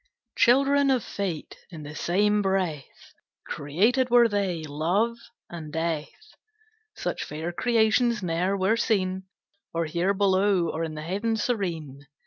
Children of Fate, in the same breath Created were they, Love and Death. Such fair creations ne'er were seen, Or here below, or in the heaven serene.